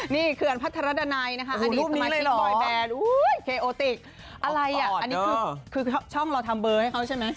นี่คือช่วงที่จงข้างท่ายปีก่อนเราให้ฟังก่อนช่าวปีใหม่